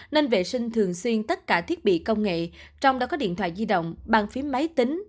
nên vệ sinh thường xuyên tất cả thiết bị công nghệ trong đó có điện thoại di động bằng phí máy tính